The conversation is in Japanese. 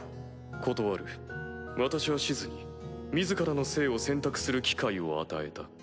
断る私はシズに自らの生を選択する機会を与えた。